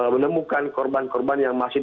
menemukan korban korban yang masih